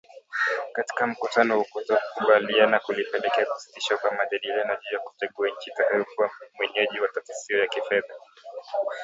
Katika mkutano huu kutokukubaliana kulipelekea kusitishwa kwa majadiliano juu ya kuchagua nchi itakayokuwa mwenyeji wa Taasisi hiyo ya kifedha.